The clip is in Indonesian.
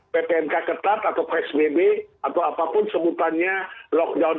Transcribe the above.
ppnk ketat atau psbb atau apapun sebutannya lockdown